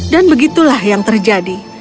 dan begitulah yang terjadi